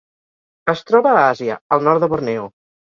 Es troba a Àsia: el nord de Borneo.